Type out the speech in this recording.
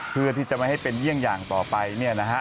เพื่อที่จะไม่ให้เป็นเยี่ยงอย่างต่อไปเนี่ยนะฮะ